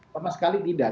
tidak sekali tidak